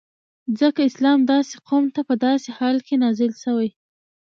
ځکه اسلام داسی قوم ته په داسی حال کی نازل سوی